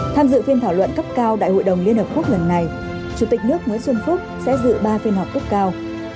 tham dự phiên thảo luận cấp cao đại hội đồng liên hợp quốc lần này chủ tịch nước nguyễn xuân phúc sẽ dự ba phiên họp cấp cao